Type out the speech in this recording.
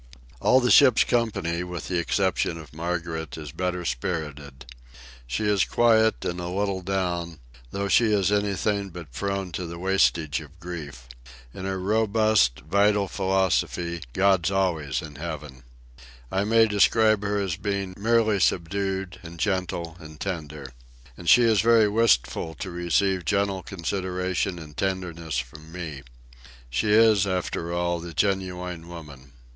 All the ship's company, with the exception of Margaret, is better spirited. She is quiet, and a little down, though she is anything but prone to the wastage of grief. In her robust, vital philosophy God's always in heaven. I may describe her as being merely subdued, and gentle, and tender. And she is very wistful to receive gentle consideration and tenderness from me. She is, after all, the genuine woman.